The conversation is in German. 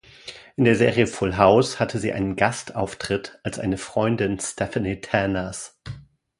In der Serie "Full House" hatte sie einen Gastauftritt als eine Freundin Stephanie Tanners.